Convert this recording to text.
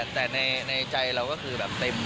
แต่ในใจเราก็คือแบบเต็ม